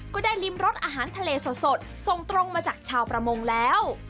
ก็ได้ริมรสอาหารทะเลสดส่งตรงมาจากชาวประมงแล้ว